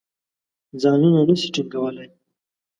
ځانونه نه شي ټینګولای.